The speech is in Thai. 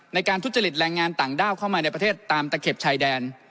ในการทุจริตแรงงานต่างด้าวเข้ามาในประเทศตามตะเข็บชายแดน